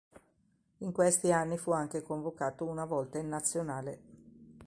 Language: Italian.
In questi anni fu anche convocato una volta in Nazionale.